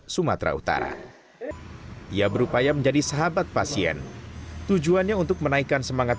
sumatera utara ia berupaya menjadi sahabat pasien tujuannya untuk menaikkan semangat